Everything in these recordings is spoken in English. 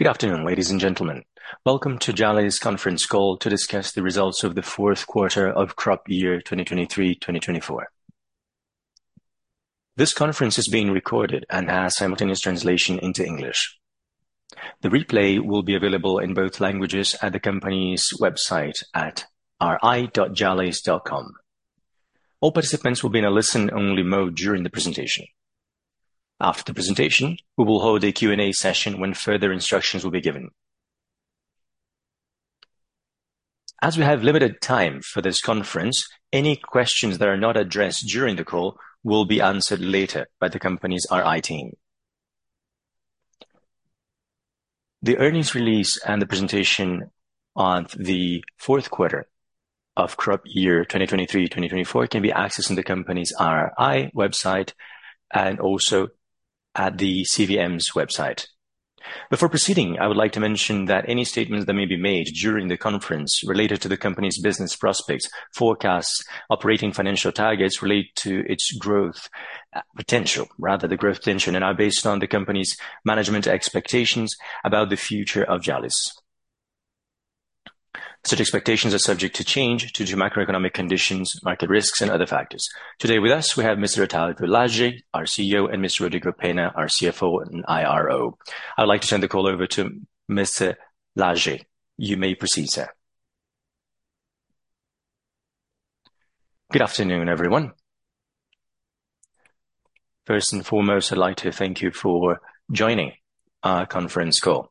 Good afternoon, ladies and gentlemen. Welcome to Jalles Conference Call to discuss the results of the fourth quarter of crop year 2023/2024. This conference is being recorded and has simultaneous translation into English. The replay will be available in both languages at the company's website at ri.jalles.com. All participants will be in a listen-only mode during the presentation. After the presentation, we will hold a Q&A session when further instructions will be given. As we have limited time for this conference, any questions that are not addressed during the call will be answered later by the company's RI team. The earnings release and the presentation on the fourth quarter of crop year 2023/2024 can be accessed on the company's RI website and also at the CVM's website. Before proceeding, I would like to mention that any statements that may be made during the conference related to the company's business prospects, forecasts, operating financial targets relate to its growth potential, rather the growth potential, and are based on the company's management expectations about the future of Jalles. Such expectations are subject to change due to macroeconomic conditions, market risks and other factors. Today with us, we have Mr. Otávio Lage, our CEO, and Mr. Rodrigo Penna, our CFO and IRO. I'd like to turn the call over to Mr. Lage. You may proceed, sir. Good afternoon, everyone. First and foremost, I'd like to thank you for joining our conference call.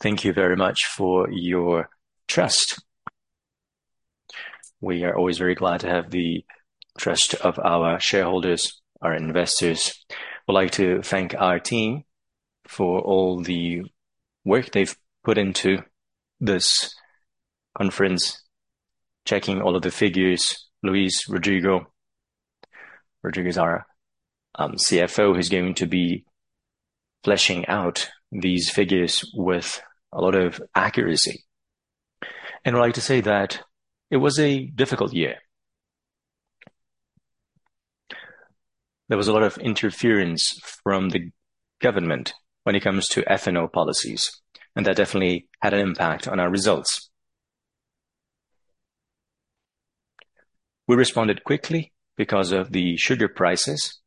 Thank you very much for your trust. We are always very glad to have the trust of our shareholders, our investors. I would like to thank our team for all the work they've put into this conference, checking all of the figures. Luiz, Rodrigo. Rodrigo is our CFO, who's going to be fleshing out these figures with a lot of accuracy. I'd like to say that it was a difficult year. There was a lot of interference from the government when it comes to ethanol policies, and that definitely had an impact on our results. We responded quickly because of the sugar prices.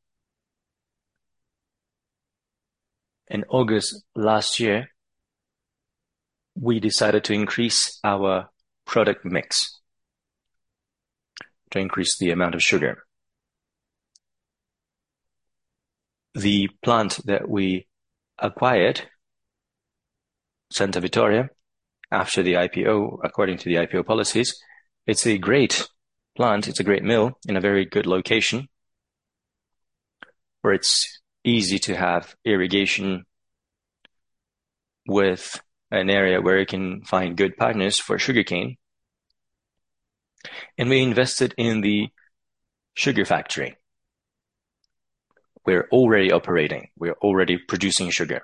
In August last year, we decided to increase our product mix, to increase the amount of sugar. The plant that we acquired, Santa Vitória, after the IPO, according to the IPO policies, it's a great plant. It's a great mill in a very good location, where it's easy to have irrigation with an area where you can find good partners for sugarcane, and we invested in the sugar factory. We're already operating, we are already producing sugar.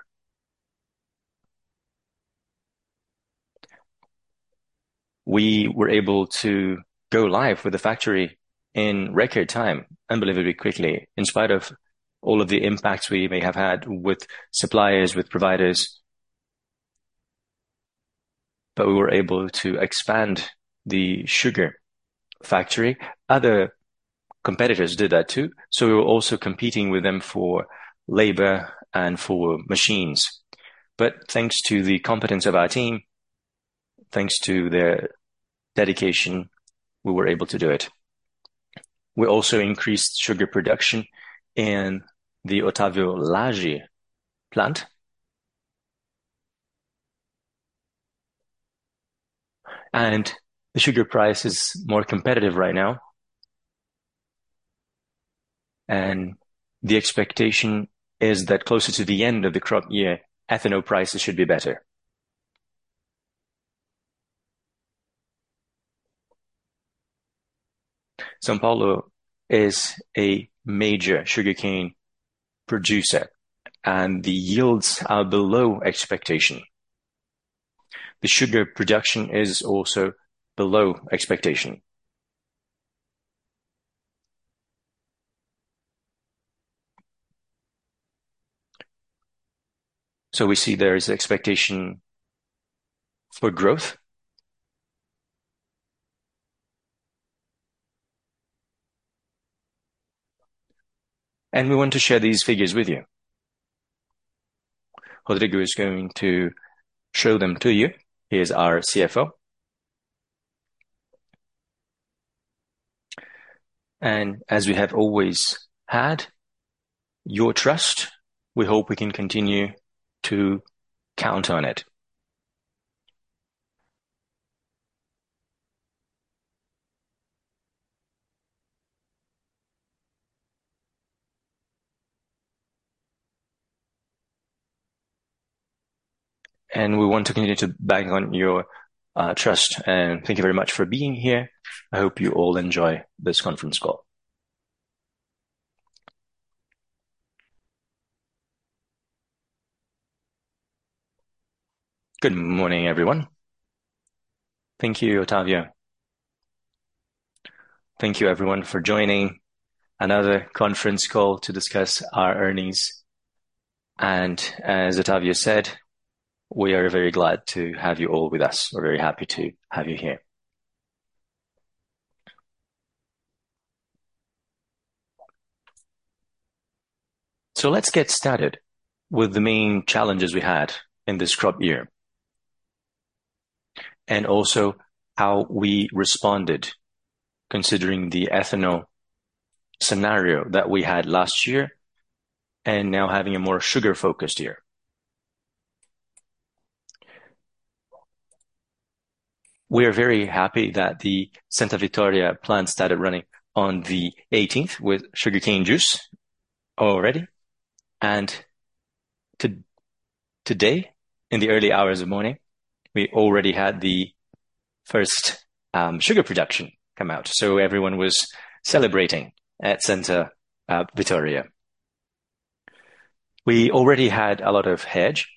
We were able to go live with the factory in record time, unbelievably quickly, in spite of all of the impacts we may have had with suppliers, with providers, but we were able to expand the sugar factory. Other competitors did that, too, so we were also competing with them for labor and for machines. But thanks to the competence of our team, thanks to their dedication, we were able to do it. We also increased sugar production in the Otávio Lage plant. The sugar price is more competitive right now. The expectation is that closer to the end of the crop year, ethanol prices should be better. São Paulo is a major sugarcane producer, and the yields are below expectation. The sugar production is also below expectation. We see there is expectation for growth. We want to share these figures with you. Rodrigo is going to show them to you. He is our CFO. As we have always had your trust, we hope we can continue to count on it. We want to continue to bank on your trust, and thank you very much for being here. I hope you all enjoy this conference call. Good morning, everyone. Thank you, Otávio. Thank you everyone for joining another conference call to discuss our earnings. As Otávio said, we are very glad to have you all with us. We're very happy to have you here. So let's get started with the main challenges we had in this crop year, and also how we responded, considering the ethanol scenario that we had last year, and now having a more sugar-focused year. We are very happy that the Santa Vitória plant started running on the eighteenth with sugarcane juice already, and today, in the early hours of morning, we already had the first sugar production come out, so everyone was celebrating at Santa Vitória. We already had a lot of hedge,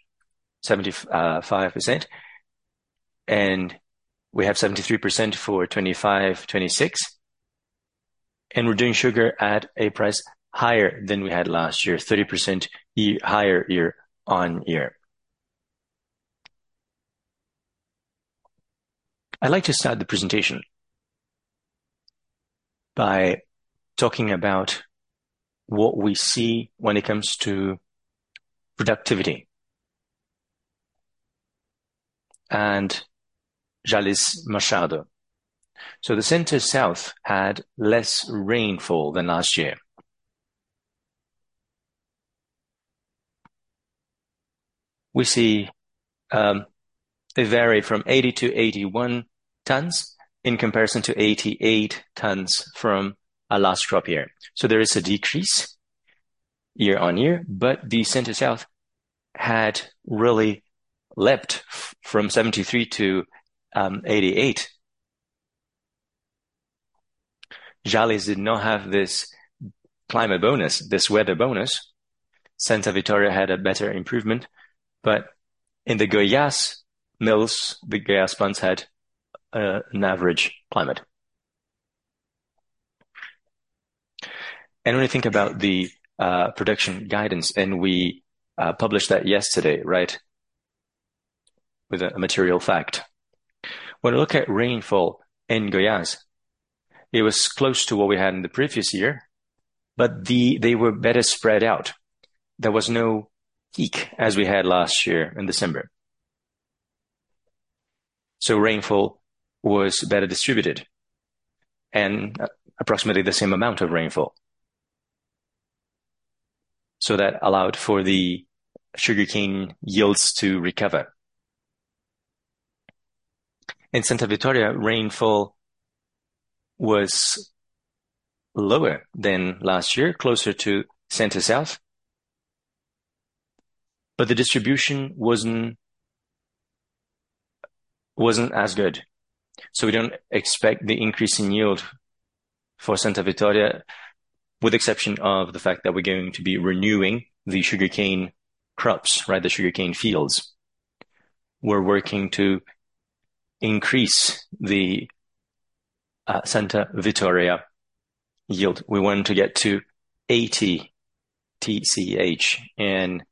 75%, and we have 73% for 2025-2026, and we're doing sugar at a price higher than we had last year, 30% higher year on year. I'd like to start the presentation by talking about what we see when it comes to productivity and Jalles Machado. The Center-South had less rainfall than last year. We see they varied from 80-81 tons in comparison to 88 tons from our last crop year. So there is a decrease year-on-year, but the Center-South had really leapt from 73 to 88. Jalles did not have this climate bonus, this weather bonus. Santa Vitória had a better improvement, but in the Goiás mills, the Goiás mills had an average climate. And when we think about the production guidance, and we published that yesterday, right? With a material fact. When we look at rainfall in Goiás, it was close to what we had in the previous year, but they were better spread out. There was no peak as we had last year in December. So rainfall was better distributed and approximately the same amount of rainfall. So that allowed for the sugarcane yields to recover. In Santa Vitória, rainfall was lower than last year, closer to Center-South, but the distribution wasn't as good. So we don't expect the increase in yield for Santa Vitória, with exception of the fact that we're going to be renewing the sugarcane crops, right, the sugarcane fields. We're working to increase the Santa Vitória yield. We want to get to 80 TCH in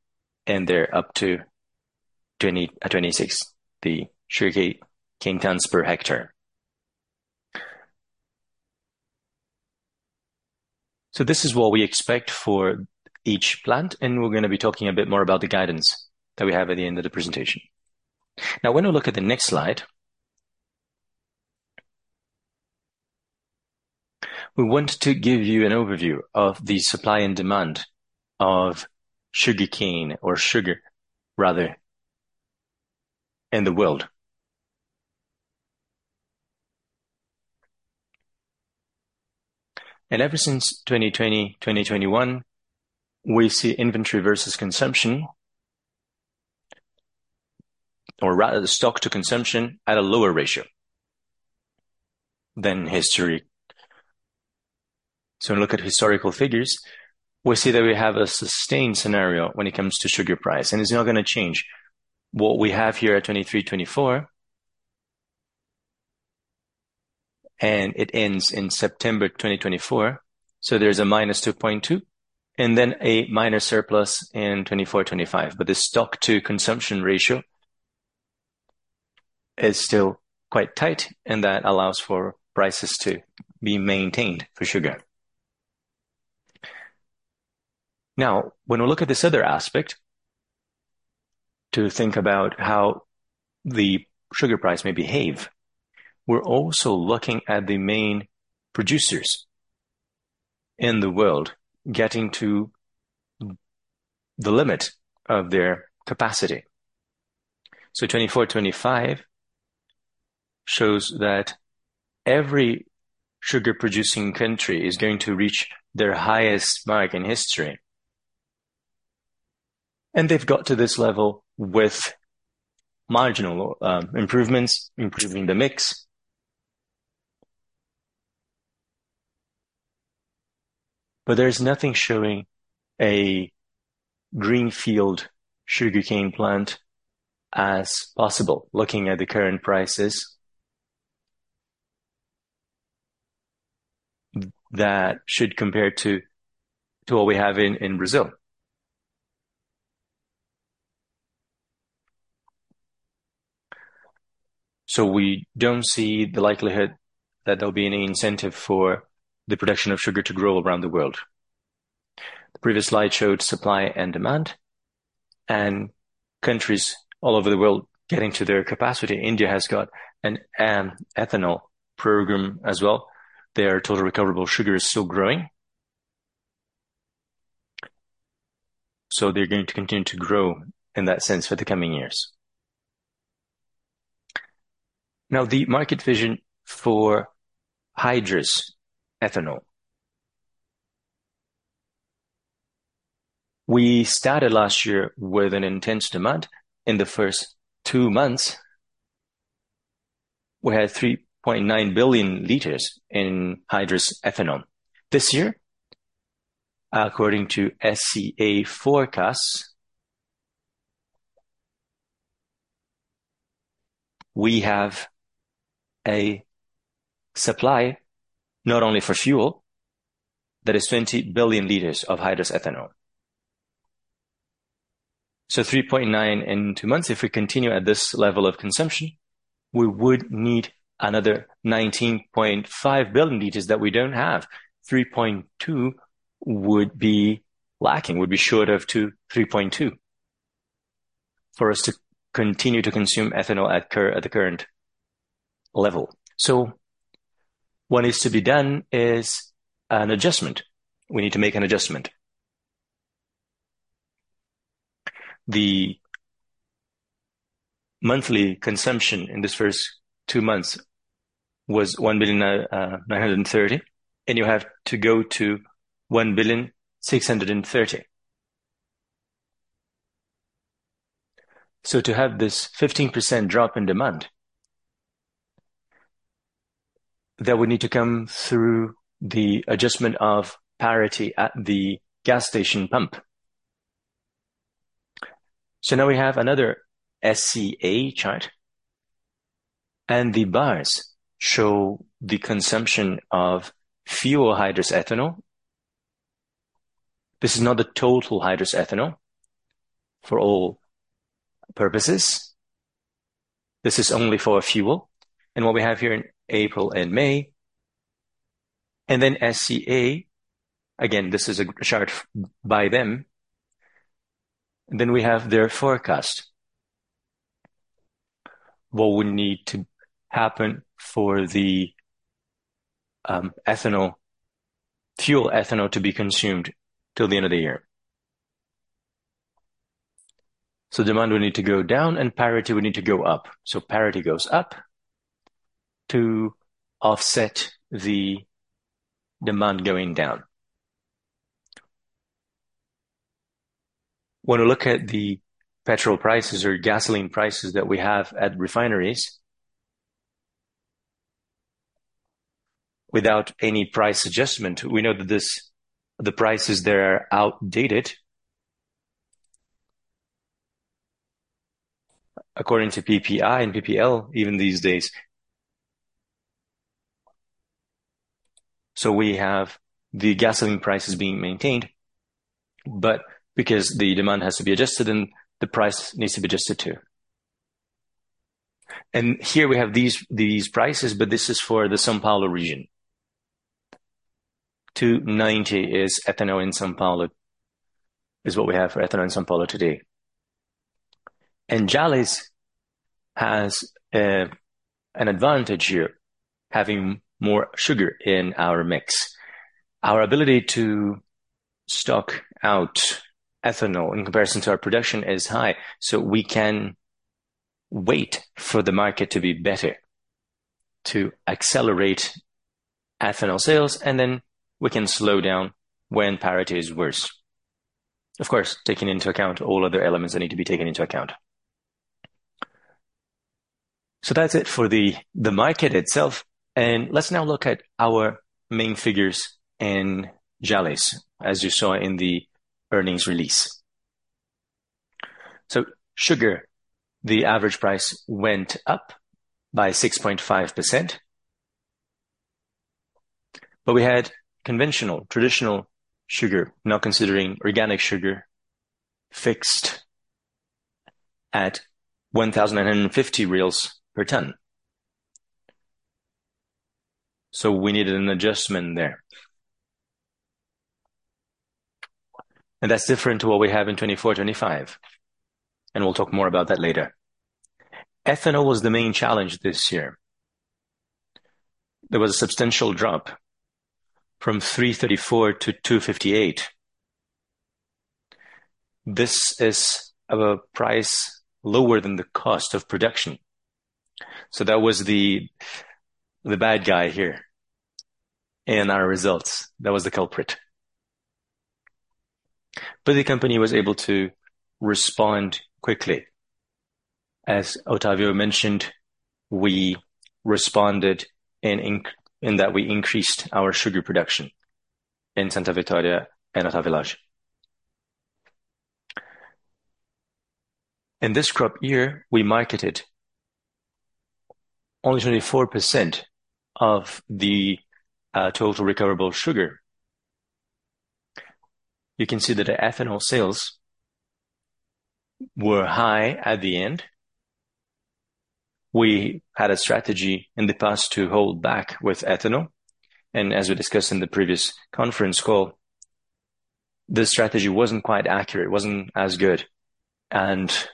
there, up to 2026, the sugarcane tons per hectare. So this is what we expect for each plant, and we're gonna be talking a bit more about the guidance that we have at the end of the presentation. Now, when we look at the next slide, we want to give you an overview of the supply and demand of sugarcane or sugar, rather, in the world. Ever since 2020, 2021, we see inventory versus consumption, or rather, the stock-to-consumption ratio at a lower ratio than history. So when we look at historical figures, we see that we have a sustained scenario when it comes to sugar price, and it's not gonna change. What we have here at 2023-2024, and it ends in September 2024, so there's a -2.2, and then a minor surplus in 2024-2025. But the stock-to-consumption ratio is still quite tight, and that allows for prices to be maintained for sugar. Now, when we look at this other aspect, to think about how the sugar price may behave, we're also looking at the main producers in the world getting to the limit of their capacity. So 2024-2025 shows that every sugar-producing country is going to reach their highest mark in history. They've got to this level with marginal improvements, improving the mix. But there's nothing showing a greenfield sugarcane plant as possible, looking at the current prices, that should compare to what we have in Brazil. So we don't see the likelihood that there'll be any incentive for the production of sugar to grow around the world. The previous slide showed supply and demand, and countries all over the world getting to their capacity. India has got an ethanol program as well. Their total recoverable sugar is still growing, so they're going to continue to grow in that sense for the coming years. Now, the market vision for hydrous ethanol. We started last year with an intense demand. In the first two months, we had 3.9 billion liters in hydrous ethanol. This year, according to SCA forecasts, we have a supply, not only for fuel, that is 20 billion liters of hydrous ethanol. So 3.9 in two months, if we continue at this level of consumption, we would need another 19.5 billion liters that we don't have. 3.2 would be lacking, would be short of to 3.2, for us to continue to consume ethanol at current level. So what is to be done is an adjustment. We need to make an adjustment. The monthly consumption in these first two months was 1.93 billion, and you have to go to 1.63 billion. So to have this 15% drop in demand, that would need to come through the adjustment of parity at the gas station pump. Now we have another SCA chart, and the bars show the consumption of fuel hydrous ethanol. This is not the total hydrous ethanol for all purposes. This is only for fuel and what we have here in April and May. Then SCA, again, this is a chart by them, then we have their forecast. What would need to happen for the ethanol, fuel ethanol to be consumed till the end of the year? So demand will need to go down and parity will need to go up. So parity goes up to offset the demand going down. When we look at the petrol prices or gasoline prices that we have at refineries, without any price adjustment, we know that this, the prices there are outdated according to PPI and PPE, even these days. So we have the gasoline prices being maintained, but because the demand has to be adjusted, then the price needs to be adjusted, too. And here we have these prices, but this is for the São Paulo region. 2.90 is ethanol in São Paulo, is what we have for ethanol in São Paulo today. And Jalles has an advantage here, having more sugar in our mix. Our ability to stock out ethanol in comparison to our production is high, so we can wait for the market to be better, to accelerate ethanol sales, and then we can slow down when parity is worse. Of course, taking into account all other elements that need to be taken into account. So that's it for the market itself, and let's now look at our main figures in Jalles, as you saw in the earnings release. So sugar, the average price went up by 6.5%, but we had conventional, traditional sugar, not considering organic sugar, fixed at 1,050 BRL per ton. So we needed an adjustment there. And that's different to what we have in 2024, 2025, and we'll talk more about that later. Ethanol was the main challenge this year. There was a substantial drop from 3.34 BRL to 2.58 BRL. This is of a price lower than the cost of production. So that was the bad guy here in our results. That was the culprit... But the company was able to respond quickly. As Otávio mentioned, we responded in that we increased our sugar production in Santa Vitória and Otávio Lage. In this crop year, we marketed only 24% of the total recoverable sugar. You can see that the ethanol sales were high at the end. We had a strategy in the past to hold back with ethanol, and as we discussed in the previous conference call, the strategy wasn't quite accurate, it wasn't as good, and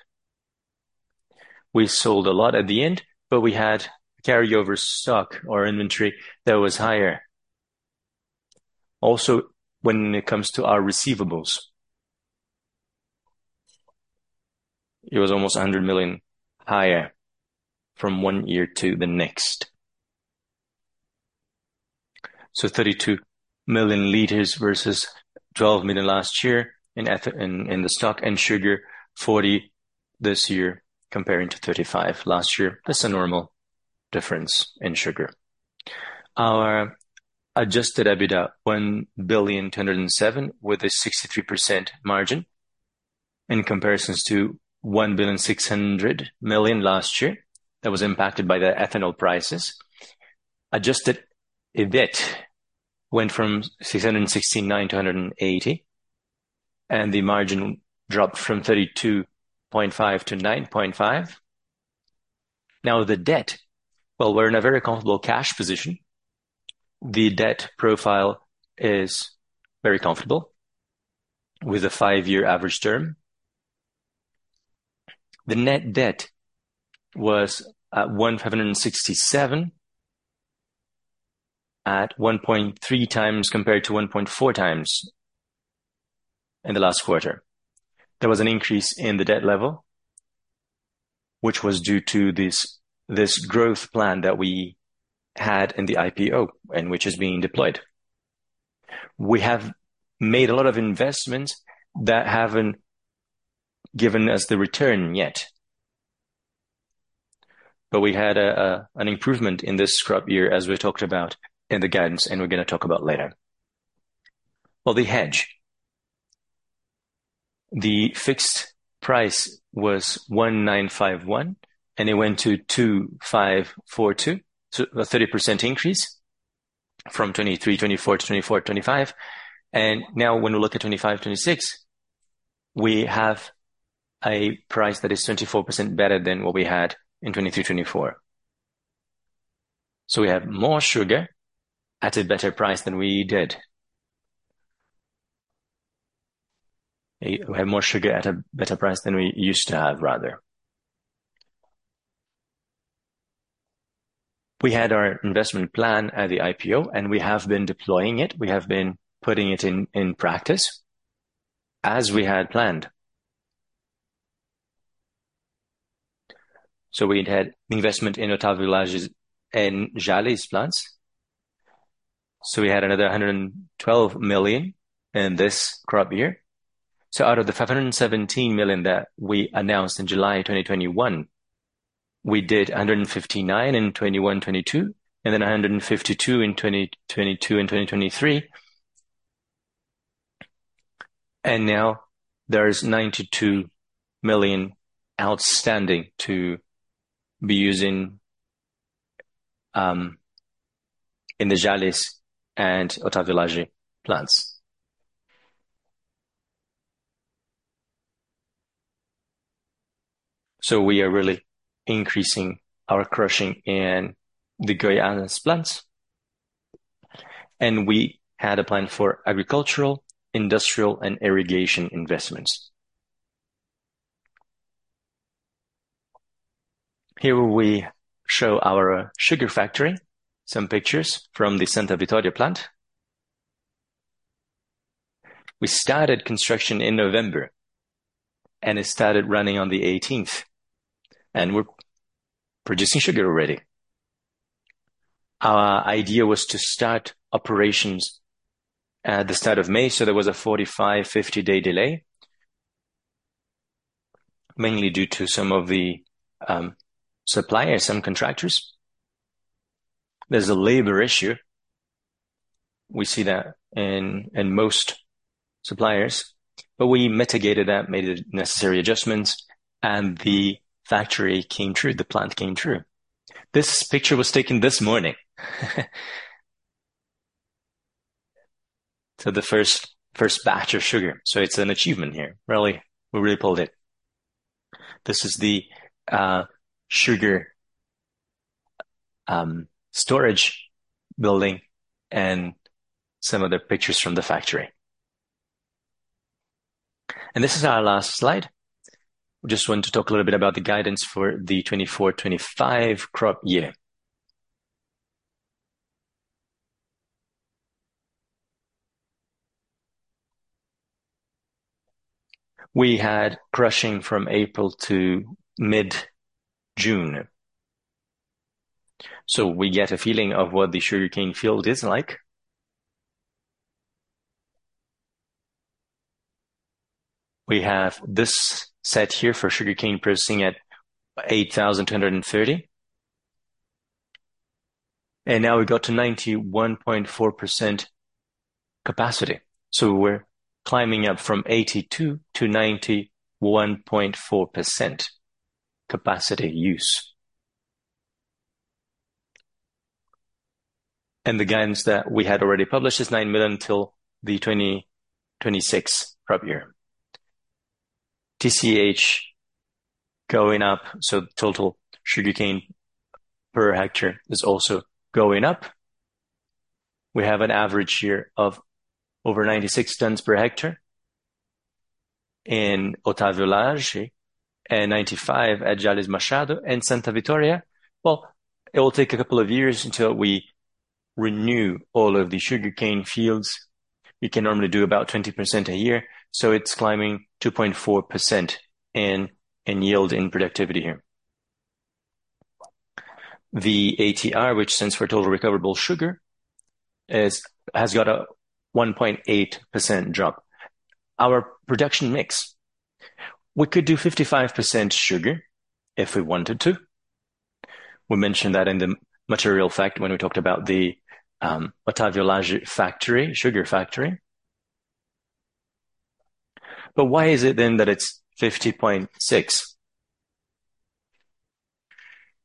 we sold a lot at the end, but we had carryover stock or inventory that was higher. Also, when it comes to our receivables, it was almost 100 million higher from one year to the next. So 32 million liters versus 12 million last year in ethanol in the stock and sugar, 40 this year, comparing to 35 last year. That's a normal difference in sugar. Our Adjusted EBITDA, 1.207 billion, with a 63% margin, in comparisons to 1.6 billion last year, that was impacted by the ethanol prices. Adjusted EBIT went from 669 to 180, and the margin dropped from 32.5% to 9.5%. Now, the debt, well, we're in a very comfortable cash position. The debt profile is very comfortable, with a five-year average term. The net debt was at BRL 1,567, at 1.3 times, compared to 1.4 times in the last quarter. There was an increase in the debt level, which was due to this growth plan that we had in the IPO and which is being deployed. We have made a lot of investments that haven't given us the return yet. But we had an improvement in this crop year, as we talked about in the guidance, and we're gonna talk about later. Well, the hedge. The fixed price was 1,951, and it went to 2,542, so a 30% increase from 2023-2024 to 2024-2025. Now when we look at 2025-2026, we have a price that is 24% better than what we had in 2023-2024. So we have more sugar at a better price than we did. We have more sugar at a better price than we used to have, rather. We had our investment plan at the IPO, and we have been deploying it. We have been putting it in practice, as we had planned. So we'd had investment in Santa Vitória's and Jalles plants. So we had another hundred and twelve million in this crop year. So out of the 517 million that we announced in July 2021, we did 159 in 2021-2022, and then 152 in 2022-2023. And now there is 92 million outstanding to be using in the Jalles and Otávio Lage plants. So we are really increasing our crushing in the Goiás plants, and we had a plan for agricultural, industrial, and irrigation investments. Here we show our sugar factory, some pictures from the Santa Vitória plant. We started construction in November, and it started running on the eighteenth, and we're producing sugar already. Our idea was to start operations at the start of May, so there was a 45-50-day delay, mainly due to some of the suppliers, some contractors. There's a labor issue. We see that in most suppliers, but we mitigated that, made the necessary adjustments, and the factory came true, the plant came true. This picture was taken this morning. So the first batch of sugar. So it's an achievement here. Really, we pulled it. This is the sugar storage building and some other pictures from the factory. And this is our last slide. Just want to talk a little bit about the guidance for the 2024-2025 crop year. We had crushing from April to mid-June. So we get a feeling of what the sugarcane field is like. We have this set here for sugarcane pressing at 8,230. And now we've got to 91.4% capacity. So we're climbing up from 82%-91.4% capacity use. The gains that we had already published is 9 million until the 2026 crop year. TCH going up, so total sugarcane per hectare is also going up. We have an average here of over 96 tons per hectare in Otávio Lage and 95 at Jalles Machado and Santa Vitória. Well, it will take a couple of years until we renew all of the sugarcane fields. We can normally do about 20% a year, so it's climbing 2.4% in yield, in productivity here. The ATR, which stands for Total Recoverable Sugar, has got a 1.8% drop. Our production mix, we could do 55% sugar if we wanted to. We mentioned that in the material fact when we talked about the Otávio Lage factory, sugar factory. But why is it then that it's 50.6?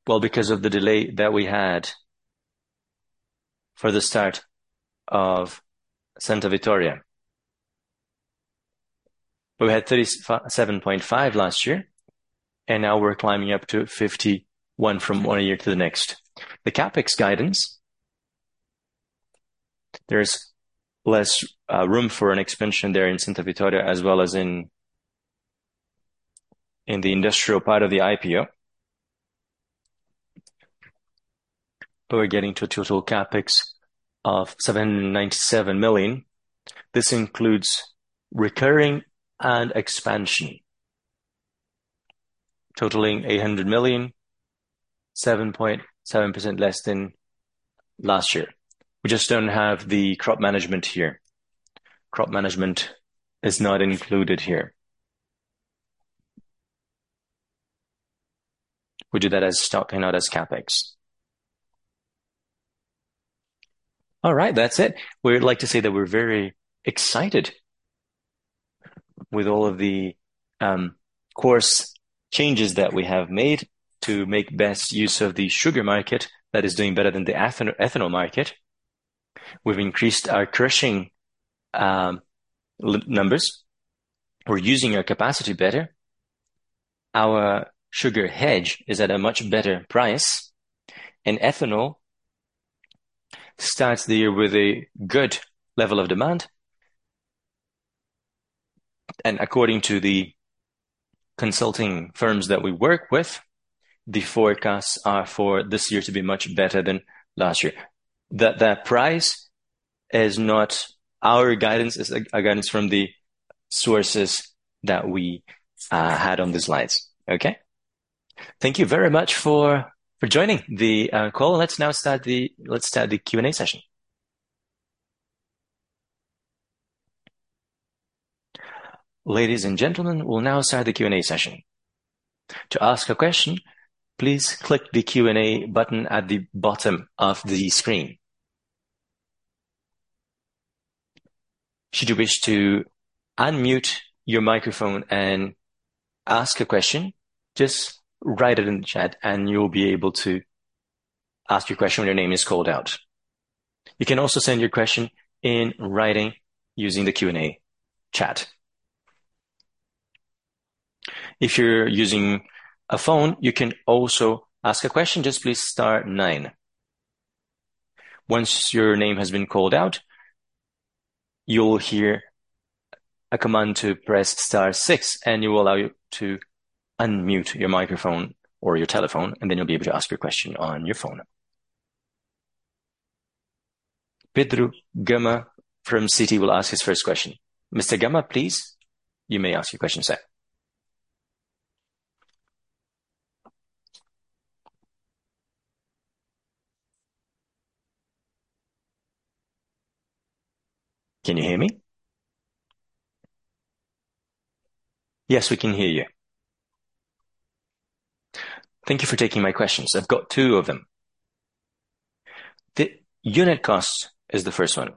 Well, because of the delay that we had for the start of Santa Vitória. We had 37.5 last year, and now we're climbing up to 51 from one year to the next. The CapEx guidance, there's less room for an expansion there in Santa Vitória, as well as in the industrial part of the IPO. We're getting to a total CapEx of 797 million. This includes recurring and expansion, totaling 800 million, 7.7% less than last year. We just don't have the crop management here. Crop management is not included here. We do that as stock and not as CapEx. All right, that's it. We'd like to say that we're very excited with all of the course changes that we have made to make best use of the sugar market that is doing better than the ethanol market. We've increased our crushing numbers. We're using our capacity better. Our sugar hedge is at a much better price, and ethanol starts the year with a good level of demand. According to the consulting firms that we work with, the forecasts are for this year to be much better than last year. That price is not our guidance; it's a guidance from the sources that we had on the slides. Okay? Thank you very much for joining the call. Let's start the Q&A session. Ladies and gentlemen, we'll now start the Q&A session. To ask a question, please click the Q&A button at the bottom of the screen. Should you wish to unmute your microphone and ask a question, just write it in the chat and you'll be able to ask your question when your name is called out. You can also send your question in writing using the Q&A chat. If you're using a phone, you can also ask a question, just please star nine. Once your name has been called out, you'll hear a command to press star six, and it will allow you to unmute your microphone or your telephone, and then you'll be able to ask your question on your phone. Pedro Gama from Citi will ask his first question. Mr. Gama, please, you may ask your question, sir. Can you hear me? Yes, we can hear you. Thank you for taking my questions. I've got two of them. The unit cost is the first one.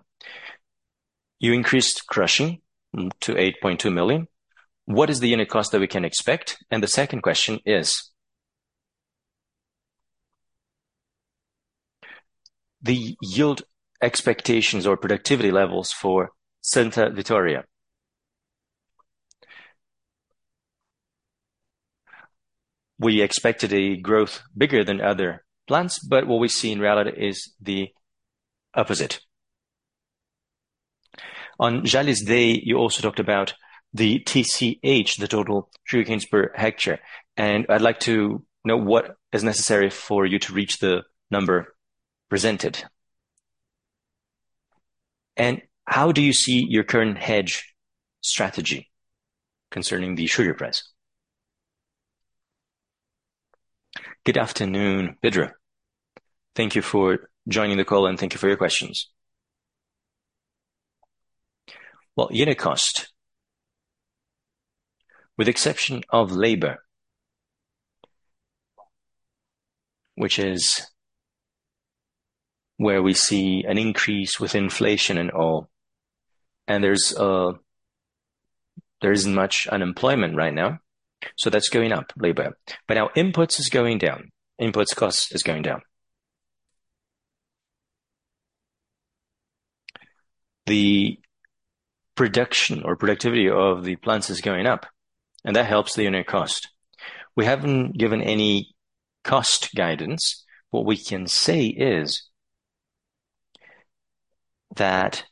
You increased crushing to 8.2 million. What is the unit cost that we can expect? And the second question is, the yield expectations or productivity levels for Santa Vitória. We expected a growth bigger than other plants, but what we see in reality is the opposite. On Jalles Day, you also talked about the TCH, the total sugarcane per hectare, and I'd like to know what is necessary for you to reach the number presented. And how do you see your current hedge strategy concerning the sugar price? Good afternoon, Pedro. Thank you for joining the call, and thank you for your questions. Well, unit cost, with exception of labor, which is where we see an increase with inflation and all, and there's, there isn't much unemployment right now, so that's going up, labor. But our inputs is going down, inputs costs is going down. The production or productivity of the plants is going up, and that helps the unit cost. We haven't given any cost guidance. What we can say is that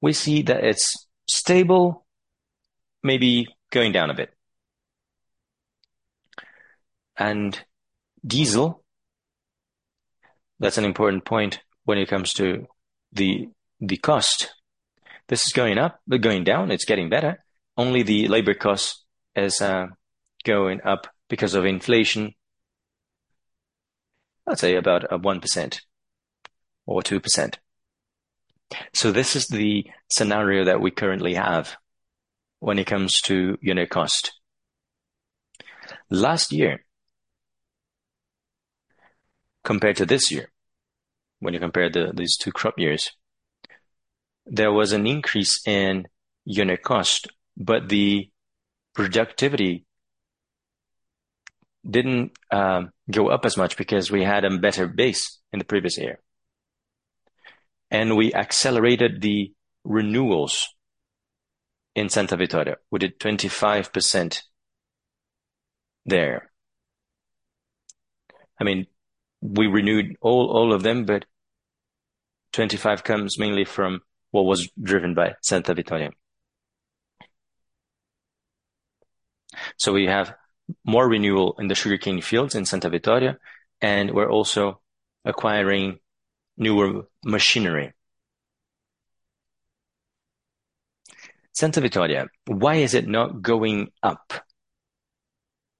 we see that it's stable, maybe going down a bit. Diesel, that's an important point when it comes to the cost. This is going up, but going down, it's getting better. Only the labor cost is going up because of inflation, I'd say about 1% or 2%. So this is the scenario that we currently have when it comes to unit cost. Last year, compared to this year, when you compare these two crop years, there was an increase in unit cost, but the productivity didn't go up as much because we had a better base in the previous year. We accelerated the renewals in Santa Vitória. We did 25% there. I mean, we renewed all, all of them, but 25 comes mainly from what was driven by Santa Vitória. So we have more renewal in the sugarcane fields in Santa Vitória, and we're also acquiring newer machinery. Santa Vitória, why is it not going up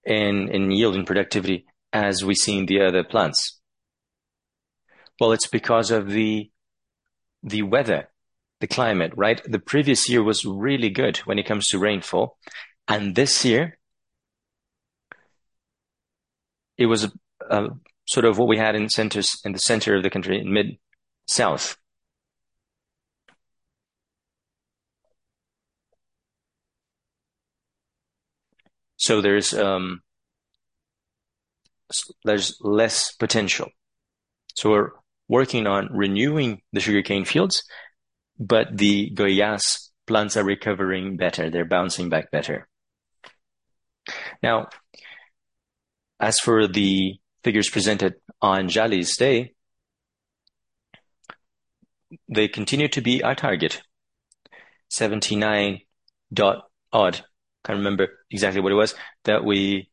in yield and productivity as we see in the other plants? Well, it's because of the weather, the climate, right? The previous year was really good when it comes to rainfall, and this year it was sort of what we had in the Center-South, in the center of the country. So there's less potential. So we're working on renewing the sugarcane fields, but the Goiás plants are recovering better, they're bouncing back better. Now, as for the figures presented on Jalles Day, they continue to be our target, 79-odd. I can't remember exactly what it was that we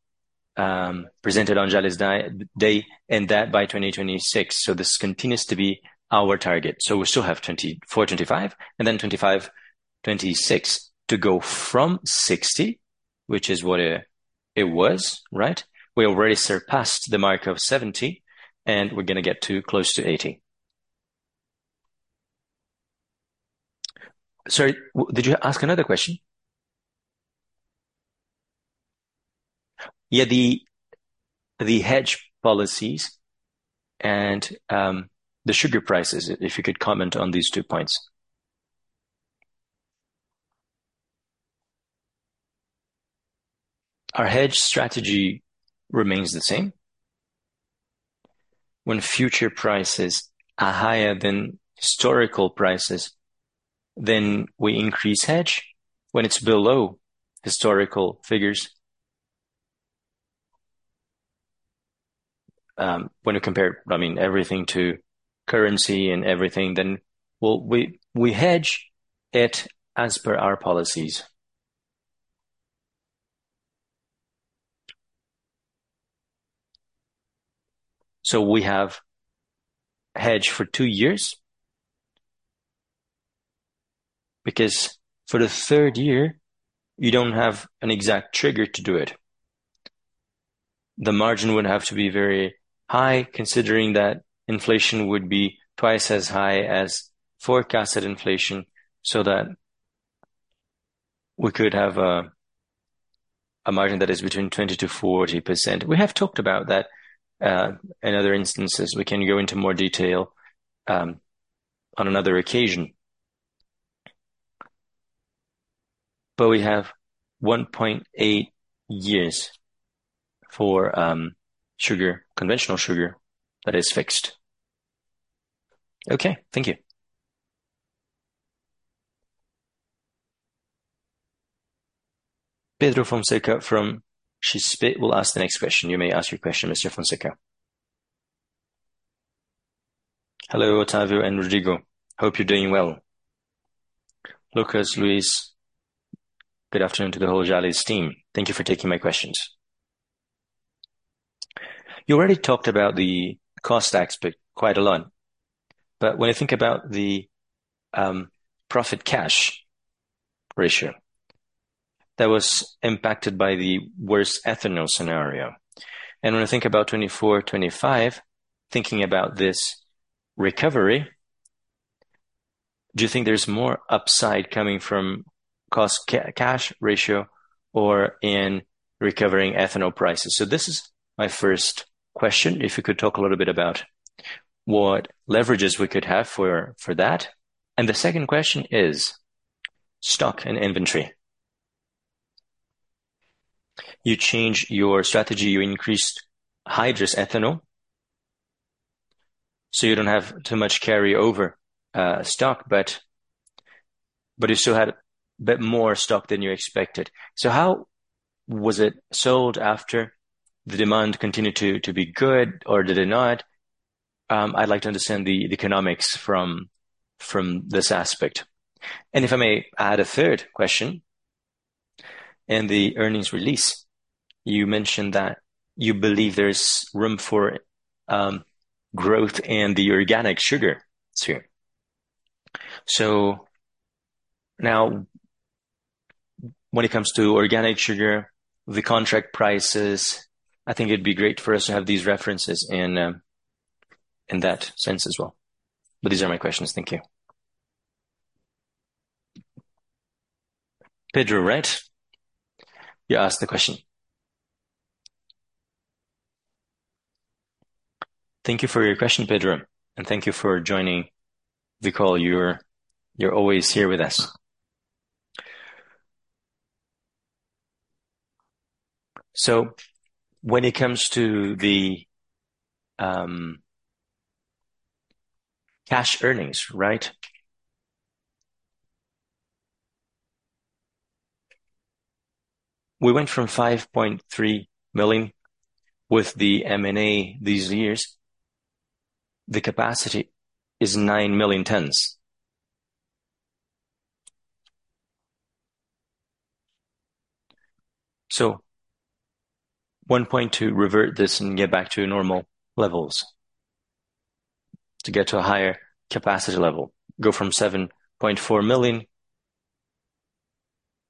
presented on Jalles Day, and that by 2026. So this continues to be our target. We still have 2024, 2025, and then 2025, 2026 to go from 60, which is what it was, right? We already surpassed the mark of 70, and we're gonna get to close to 80. Sorry, did you ask another question? Yeah, the hedge policies and the sugar prices, if you could comment on these two points. Our hedge strategy remains the same. When future prices are higher than historical prices, then we increase hedge. When it's below historical figures, when you compare, I mean, everything to currency and everything, then, well, we hedge it as per our policies. So we have hedge for two years, because for the third year, you don't have an exact trigger to do it. The margin would have to be very high, considering that inflation would be twice as high as forecasted inflation, so that we could have a margin that is between 20%-40%. We have talked about that in other instances. We can go into more detail on another occasion. But we have 1.8 years for sugar, conventional sugar, that is fixed. Okay, thank you. Pedro Fonseca from XP will ask the next question. You may ask your question, Mr. Fonseca. Hello, Otávio and Rodrigo. Hope you're doing well. Lucas, Luis, good afternoon to the whole Jalles' team. Thank you for taking my questions. You already talked about the cost aspect quite a lot, but when I think about the profit cash ratio, that was impacted by the worst ethanol scenario. When I think about 2024, 2025, thinking about this recovery, do you think there's more upside coming from cost cash ratio or in recovering ethanol prices? So this is my first question. If you could talk a little bit about what leverages we could have for that. The second question is stock and inventory. You changed your strategy, you increased hydrous ethanol, so you don't have too much carryover stock, but you still had a bit more stock than you expected. So how was it sold after the demand continued to be good or did it not? I'd like to understand the economics from this aspect. If I may add a third question. In the earnings release, you mentioned that you believe there's room for growth in the organic sugar sphere. So now, when it comes to organic sugar, the contract prices, I think it'd be great for us to have these references in in that sense as well. But these are my questions. Thank you. Pedro, right? You ask the question. Thank you for your question, Pedro, and thank you for joining. We know you're always here with us. So when it comes to the cash earnings, right? We went from 5.3 million with the M&A these years. The capacity is 9 million tons. So one point to revert this and get back to normal levels, to get to a higher capacity level, go from 7.4 million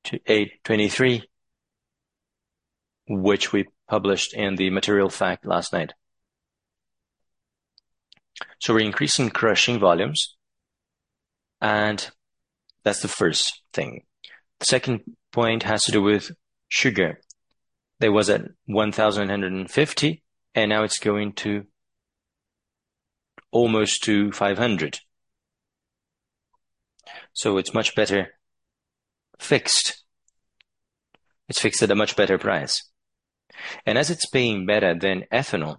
to 8.23 million, which we published in the material fact last night. So we're increasing crushing volumes, and that's the first thing. The second point has to do with sugar. It was at 1,150, and now it's going to almost to 500. So it's much better fixed. It's fixed at a much better price. And as it's paying better than ethanol,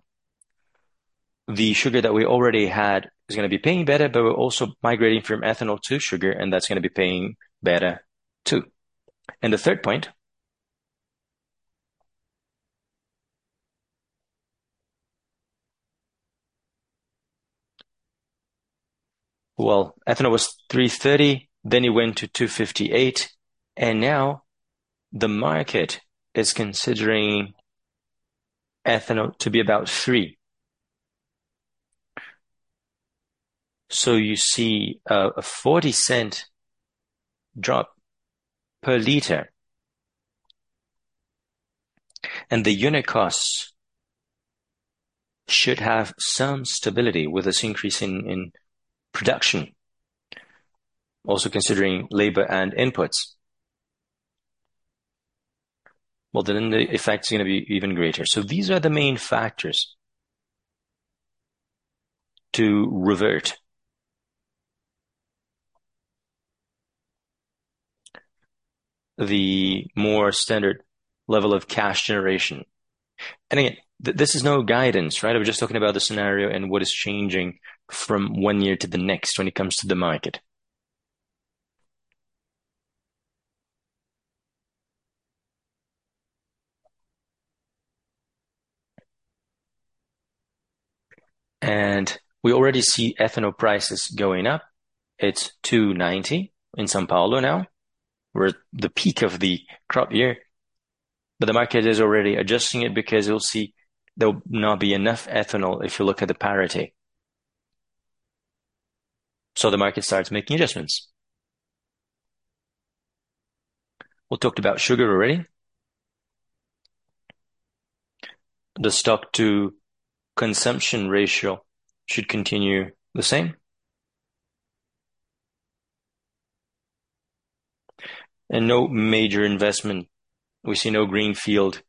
the sugar that we already had is gonna be paying better, but we're also migrating from ethanol to sugar, and that's gonna be paying better, too. And the third point... Well, ethanol was 330, then it went to 258, and now the market is considering ethanol to be about 3. So you see, a 40 cent drop per liter. And the unit costs should have some stability with this increase in production, also considering labor and inputs. Well, then the effect is gonna be even greater. So these are the main factors to revert the more standard level of cash generation. And again, this is no guidance, right? We're just talking about the scenario and what is changing from one year to the next when it comes to the market. And we already see ethanol prices going up. It's 2.90 in São Paulo now. We're at the peak of the crop year, but the market is already adjusting it because you'll see there will not be enough ethanol if you look at the parity. So the market starts making adjustments. We talked about sugar already. The stock-to-consumption ratio should continue the same. And no major investment. We see no greenfield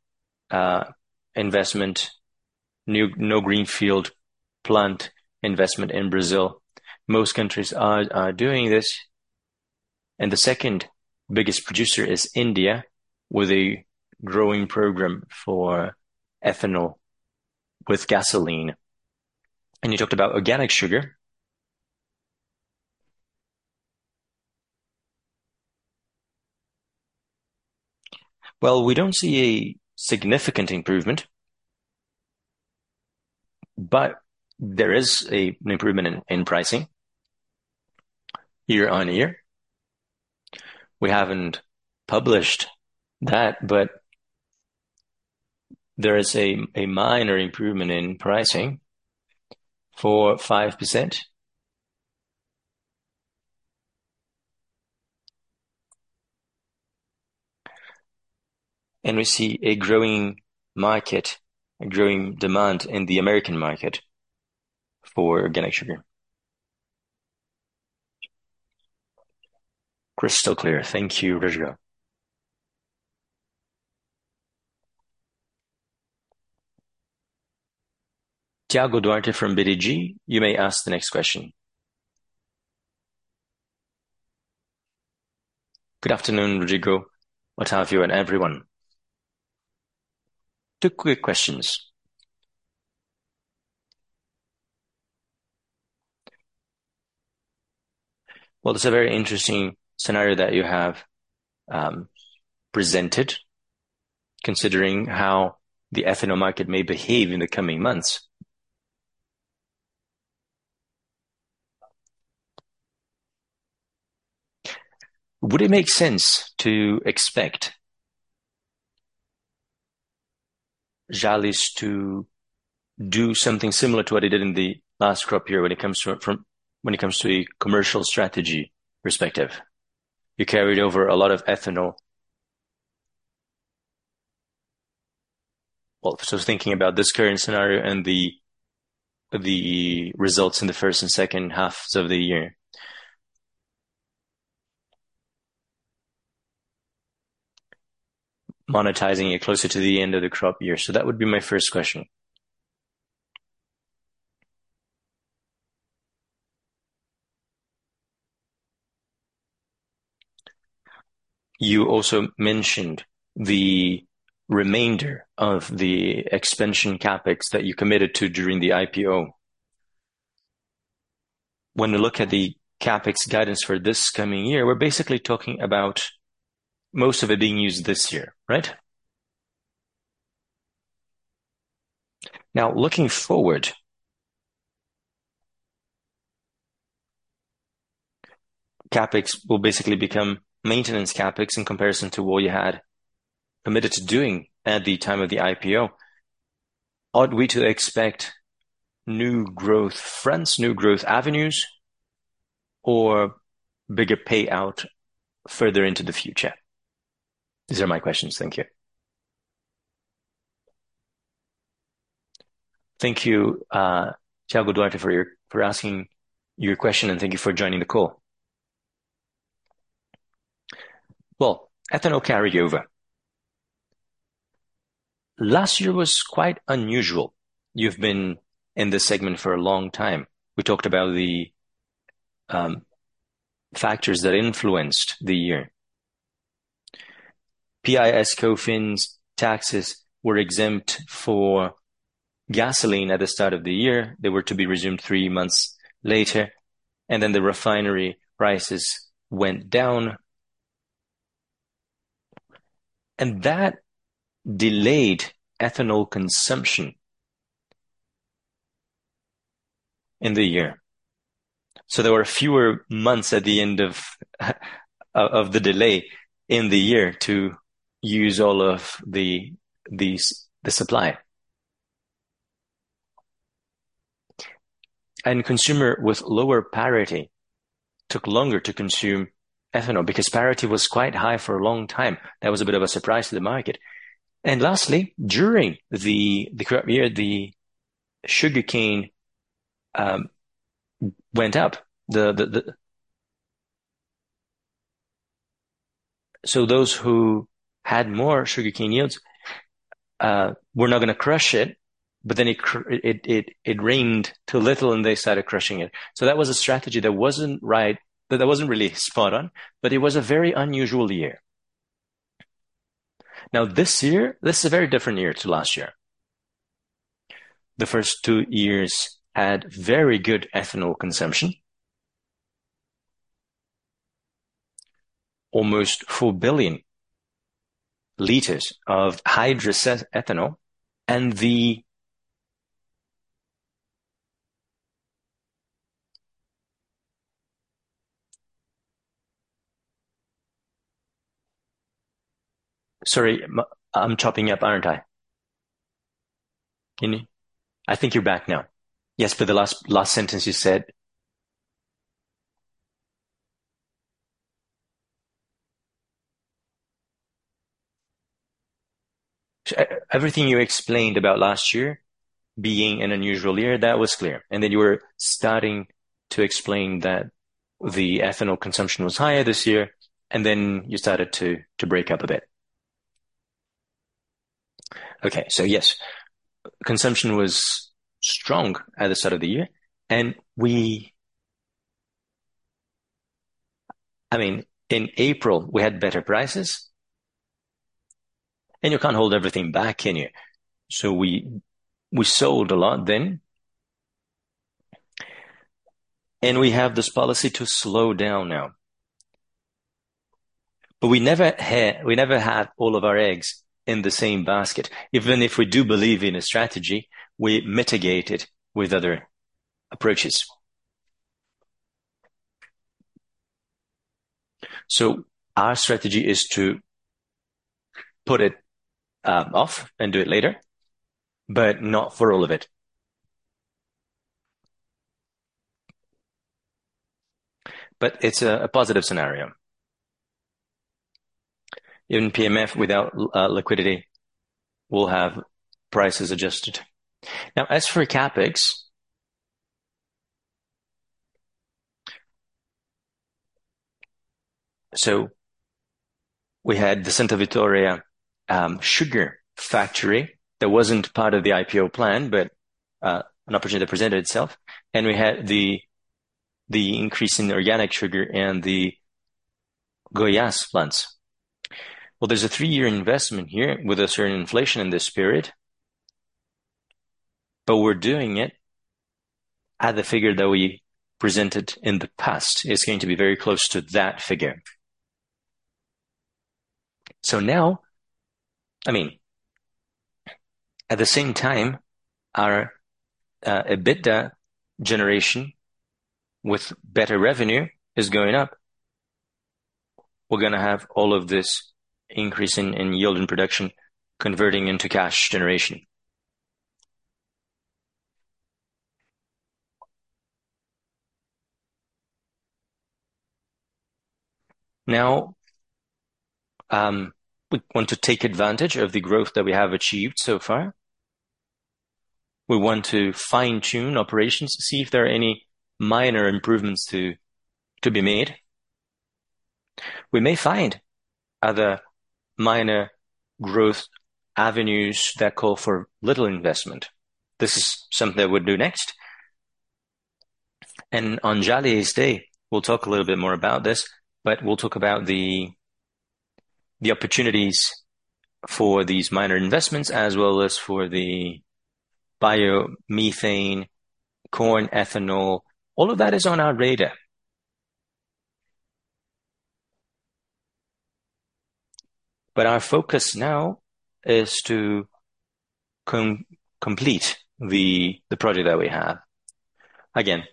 investment, no greenfield plant investment in Brazil. Most countries are doing this, and the second biggest producer is India, with a growing program for ethanol, with gasoline. And you talked about organic sugar. Well, we don't see a significant improvement, but there is an improvement in pricing year on year. We haven't published that, but there is a minor improvement in pricing for 5%. And we see a growing market, a growing demand in the American market for organic sugar. Crystal clear. Thank you, Rodrigo. Thiago Duarte from BTG Pactual, you may ask the next question. Good afternoon, Rodrigo. How have you and everyone? Two quick questions. Well, it's a very interesting scenario that you have presented, considering how the ethanol market may behave in the coming months. Would it make sense to expect Jalles to do something similar to what they did in the last crop year when it comes to a commercial strategy perspective? You carried over a lot of ethanol. Well, so thinking about this current scenario and the results in the first and second halves of the year, monetizing it closer to the end of the crop year. So that would be my first question. You also mentioned the remainder of the expansion CapEx that you committed to during the IPO. When we look at the CapEx guidance for this coming year, we're basically talking about most of it being used this year, right? Now, looking forward, CapEx will basically become maintenance CapEx in comparison to what you had committed to doing at the time of the IPO. Ought we to expect new growth fronts, new growth avenues, or bigger payout further into the future? These are my questions. Thank you. Thank you, Thiago Duarte, for asking your question, and thank you for joining the call. Well, ethanol carryover. Last year was quite unusual. You've been in this segment for a long time. We talked about the factors that influenced the year. PIS/COFINS taxes were exempt for gasoline at the start of the year. They were to be resumed three months later, and then the refinery prices went down, and that delayed ethanol consumption in the year. So there were fewer months at the end of the delay in the year to use all of the supply. And consumer with lower parity took longer to consume ethanol because parity was quite high for a long time. That was a bit of a surprise to the market. And lastly, during the current year, the sugarcane went up. So those who had more sugarcane yields were not gonna crush it, but then it rained too little, and they started crushing it. So that was a strategy that wasn't right, that wasn't really spot on, but it was a very unusual year. Now, this year, this is a very different year to last year. The first two years had very good ethanol consumption. Almost 4 billion liters of hydrous ethanol, and the... Sorry, I'm chopping up, aren't I? I think you're back now. Yes, for the last sentence you said... Everything you explained about last year being an unusual year, that was clear, and then you were starting to explain that the ethanol consumption was higher this year, and then you started to break up a bit. Okay. So yes, consumption was strong at the start of the year, and we... I mean, in April, we had better prices, and you can't hold everything back, can you? So we sold a lot then, and we have this policy to slow down now.... But we never had all of our eggs in the same basket. Even if we do believe in a strategy, we mitigate it with other approaches. So our strategy is to put it off and do it later, but not for all of it. But it's a positive scenario. Even BM&F without liquidity will have prices adjusted. Now, as for CapEx, so we had the Santa Vitória sugar factory. That wasn't part of the IPO plan, but an opportunity that presented itself, and we had the increase in organic sugar and the Goiás plants. Well, there's a three-year investment here with a certain inflation in this period, but we're doing it at the figure that we presented in the past. It's going to be very close to that figure. So now, I mean, at the same time, our EBITDA generation with better revenue is going up. We're gonna have all of this increase in yield and production converting into cash generation. Now, we want to take advantage of the growth that we have achieved so far. We want to fine-tune operations to see if there are any minor improvements to be made. We may find other minor growth avenues that call for little investment. This is something that we'll do next. And on Jalles Day, we'll talk a little bit more about this, but we'll talk about the opportunities for these minor investments as well as for the biomethane, corn ethanol. All of that is on our radar. But our focus now is to complete the project that we have. Again,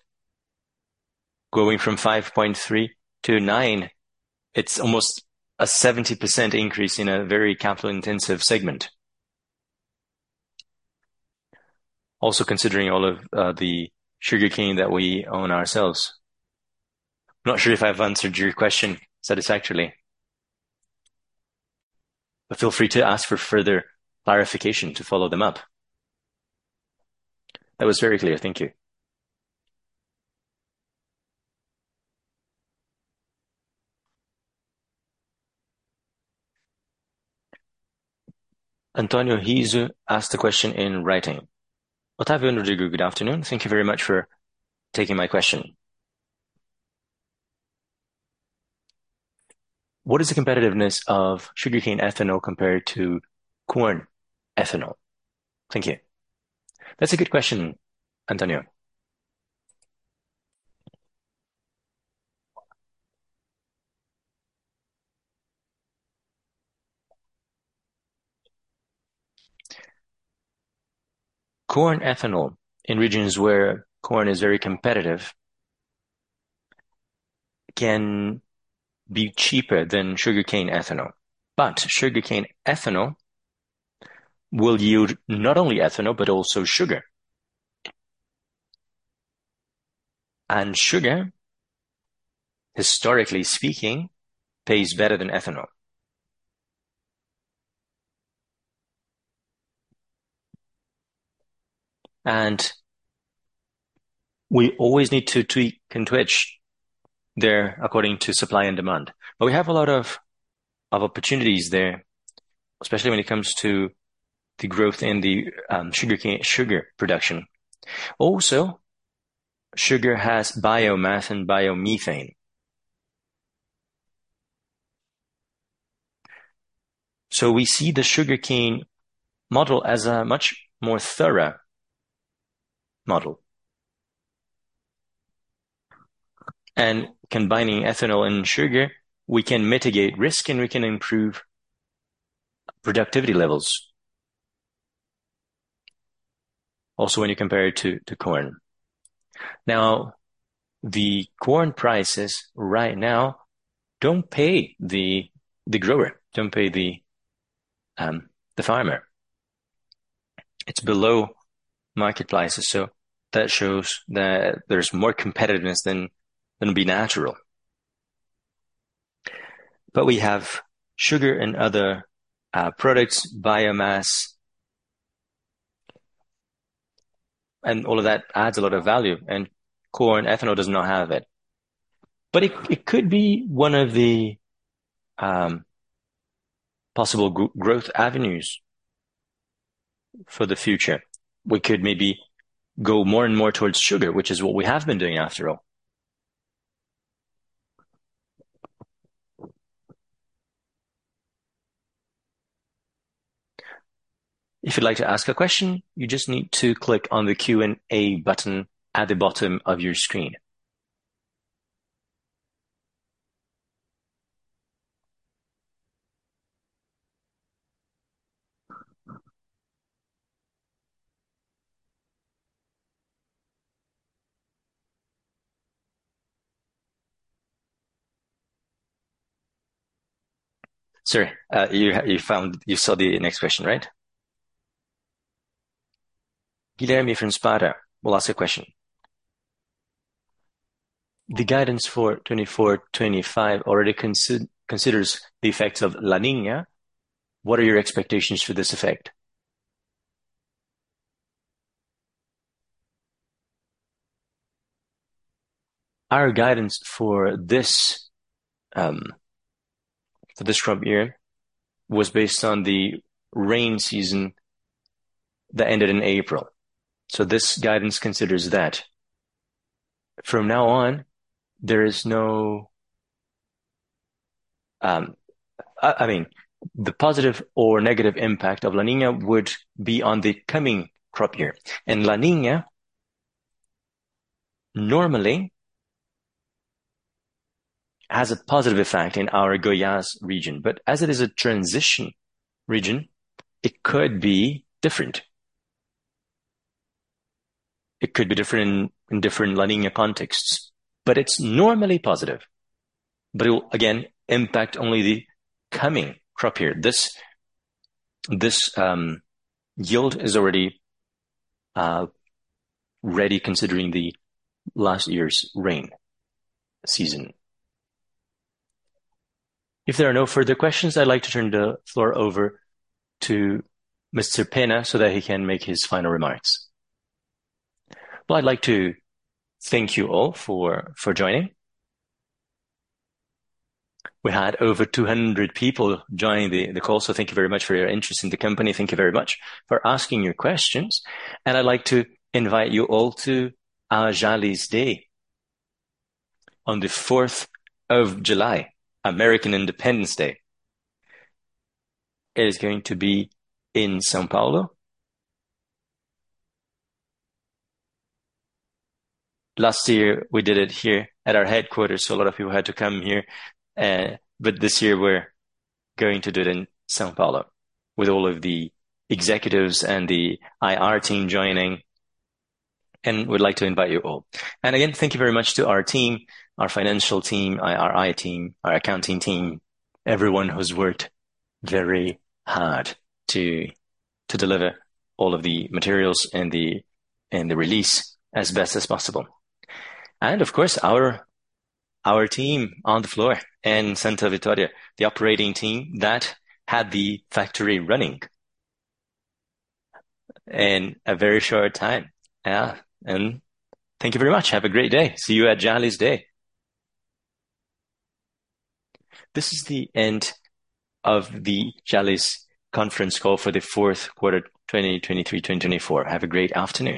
going from 5.3 to 9, it's almost a 70% increase in a very capital-intensive segment. Also, considering all of the sugarcane that we own ourselves. I'm not sure if I've answered your question satisfactorily, but feel free to ask for further clarification to follow them up. That was very clear. Thank you. Antonio Rizzo asked a question in writing. Otávio Lage, good afternoon. Thank you very much for taking my question. What is the competitiveness of sugarcane ethanol compared to corn ethanol?" Thank you. That's a good question, Antonio. Corn ethanol, in regions where corn is very competitive, can be cheaper than sugarcane ethanol, but sugarcane ethanol will yield not only ethanol, but also sugar. Sugar, historically speaking, pays better than ethanol. We always need to tweak and twitch there according to supply and demand. But we have a lot of opportunities there, especially when it comes to the growth in the sugar production. Also, sugar has biomass and biomethane. We see the sugarcane model as a much more thorough model. Combining ethanol and sugar, we can mitigate risk, and we can improve productivity levels also when you compare it to corn. Now, the corn prices right now don't pay the grower, don't pay the farmer. It's below market prices, so that shows that there's more competitiveness than would be natural. But we have sugar and other products, biomass, and all of that adds a lot of value, and corn ethanol does not have it. But it could be one of the possible growth avenues for the future. We could maybe go more and more towards sugar, which is what we have been doing after all. If you'd like to ask a question, you just need to click on the Q&A button at the bottom of your screen. Sir, you saw the next question, right? Guilherme from Sparta will ask a question. The guidance for 2024, 2025 already considers the effects of La Niña. What are your expectations for this effect? Our guidance for this, for this crop year was based on the rain season that ended in April, so this guidance considers that. From now on, there is no, I mean, the positive or negative impact of La Niña would be on the coming crop year. And La Niña normally has a positive effect in our Goiás region, but as it is a transition region, it could be different. It could be different in different La Niña contexts, but it's normally positive. But it will, again, impact only the coming crop year. This yield is already ready considering the last year's rain season. If there are no further questions, I'd like to turn the floor over to Mr. Penna so that he can make his final remarks. Well, I'd like to thank you all for joining. We had over 200 people joining the call, so thank you very much for your interest in the company. Thank you very much for asking your questions, and I'd like to invite you all to our Jalles Day on the 4th of July, American Independence Day. It is going to be in São Paulo. Last year, we did it here at our headquarters, so a lot of people had to come here. But this year we're going to do it in São Paulo with all of the executives and the IR team joining, and we'd like to invite you all. And again, thank you very much to our team, our financial team, IR team, our accounting team, everyone who's worked very hard to deliver all of the materials and the release as best as possible. Of course, our team on the floor in Santa Vitória, the operating team that had the factory running in a very short time. And thank you very much. Have a great day. See you at Jalles Day. This is the end of the Jalles conference call for the fourth quarter, 2023 to 2024. Have a great afternoon.